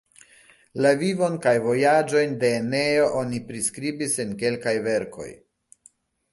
La vivon kaj vojaĝojn de Eneo oni priskribis en kelkaj verkoj.